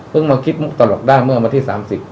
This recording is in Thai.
เพิ่งมาคิดมุตตลกด้านเมื่อมาที่๓๐